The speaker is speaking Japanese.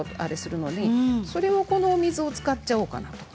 それにこのお水を使っちゃおうかなと。